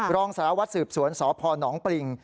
รองสารวัตรสืบสวนสพนปริง